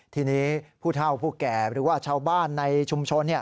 ทีนี้ผู้เท่าผู้แก่หรือว่าชาวบ้านในชุมชน